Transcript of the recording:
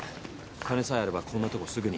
金さえあればこんなとこすぐに。